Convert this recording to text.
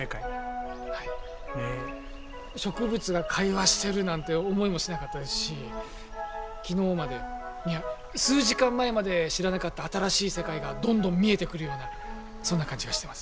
植物が会話してるなんて思いもしなかったですし昨日までいや数時間前まで知らなかった新しい世界がどんどん見えてくるようなそんな感じがしてます。